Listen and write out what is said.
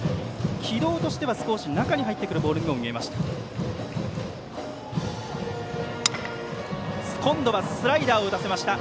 軌道としては、少し中に入ってくるボールにも見えました。